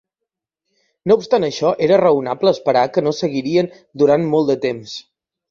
No obstant això, era raonable esperar que no seguirien durant molt de temps.